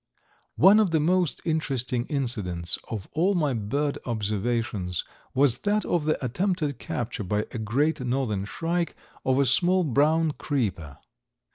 One of the most interesting incidents of all my bird observations was that of the attempted capture by a Great Northern Shrike of a small brown creeper.